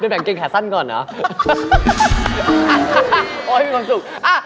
โดยแบ้งแก่งแขนสั้นก่อนเนอะ